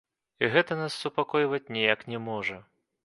І гэта нас супакойваць ніяк не можа.